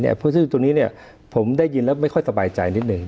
ซึ่งตรงนี้ผมได้ยินแล้วไม่ค่อยสบายใจนิดหนึ่ง